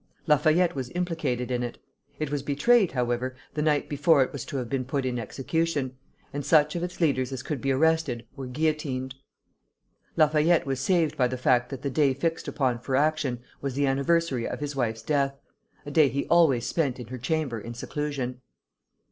Lafayette was implicated in it. It was betrayed, however, the night before it was to have been put in execution, and such of its leaders as could be arrested were guillotined. Lafayette was saved by the fact that the day fixed upon for action was the anniversary of his wife's death, a day he always spent in her chamber in seclusion.